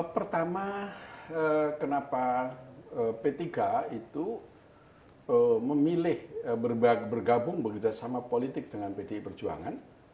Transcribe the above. pertama kenapa p tiga itu memilih bergabung bekerja sama politik dengan pdi perjuangan